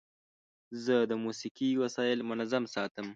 زه د موسیقۍ وسایل منظم ساتم.